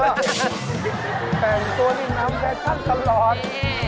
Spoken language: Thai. แปลงตัวดินน้ำแฟชั่นตลอด